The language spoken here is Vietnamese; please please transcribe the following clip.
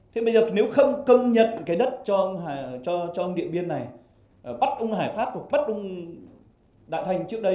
thế bây giờ nếu không công nhận cái đất cho ông điện biên này bắt ông hải pháp bắt ông đại thanh trước đây